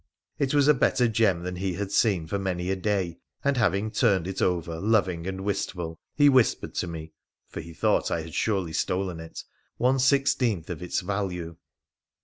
It was a better gem than he had seen for many a day, and, having turned it over loving and wistful, he whispered to me (for he thought I had surely stolen it) one sixteenth of its value